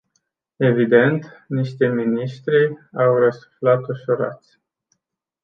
Evident, niște miniștri au răsuflat ușurați.